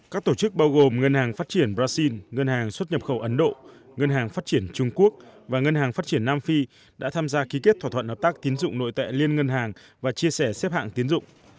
các tổ chức bao gồm ngân hàng phát triển brazil ngân hàng xuất nhập khẩu ấn độ ngân hàng phát triển trung quốc và ngân hàng phát triển nam phi đã tham gia ký kết thỏa thuận hợp tác tín dụng nội tệ liên ngân hàng và chia sẻ xếp hạng tiến dụng